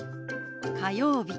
「火曜日」。